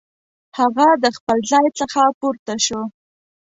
هغه د خپل ځای څخه پورته شو.